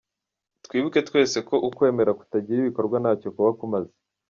Twibuke twese ko ukwemera kutagira ibikorwa ntacyo kuba kumaze.”